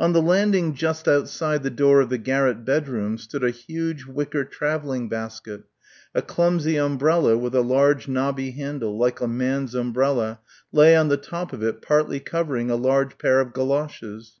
On the landing just outside the door of the garret bedroom stood a huge wicker travelling basket; a clumsy umbrella with a large knobby handle, like a man's umbrella, lay on the top of it partly covering a large pair of goloshes.